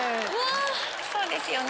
そうですよね。